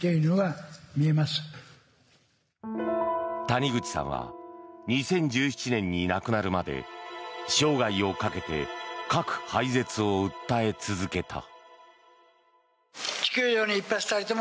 谷口さんは２０１７年に亡くなるまで生涯をかけて核廃絶を訴え続けた。